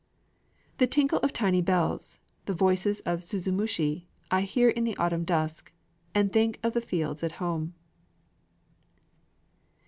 The tinkle of tiny bells, the voices of suzumushi, I hear in the autumn dusk, and think of the fields at home.